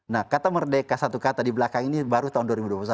nah kata merdeka satu kata di belakang ini baru tahun dua ribu dua puluh satu